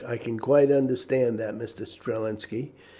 I can quite understand that, Mr. Strelinski.